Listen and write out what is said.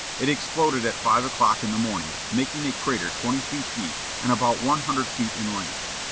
It exploded at five o'clock in the morning, making a crater twenty feet deep and about one hundred feet in length.